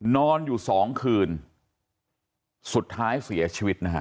นอนอยู่สองคืนสุดท้ายเสียชีวิตนะฮะ